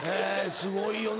すごいよな。